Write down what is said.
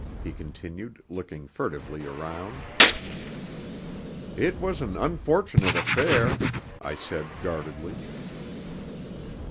he continued, looking furtively around. "It was an unfortunate affair," I said guardedly.